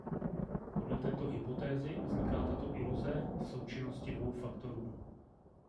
Podle této hypotézy vzniká tato iluze v součinnosti dvou faktorů.